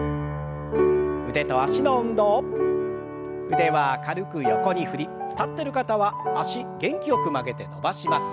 腕は軽く横に振り立ってる方は脚元気よく曲げて伸ばします。